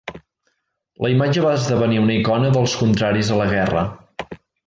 La imatge va esdevenir una icona dels contraris a la guerra.